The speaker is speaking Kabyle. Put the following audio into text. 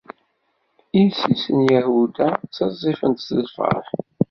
Yessi-s n Yahuda ttiẓẓifent si lferḥ.